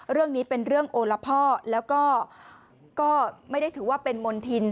เรื่องนี้เป็นเรื่องโอละพ่อแล้วก็ไม่ได้ถือว่าเป็นมณฑิน